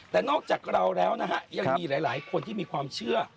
แต่นอกจากเราแล้วนะฮะยังมีหลายคนที่มีความเชื่อ